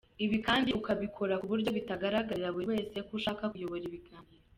Ibi kandi ukabikora ku buryo bitagaragarira buri wese ko ushaka kuyobora ibiganiro.